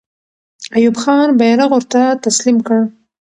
ایوب خان بیرغ ورته تسلیم کړ.